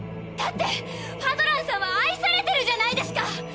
だってファドランさんは愛されてるじゃないですか。